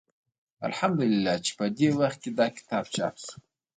الحمد لله چې په دې وخت کې دا کتاب چاپ شو.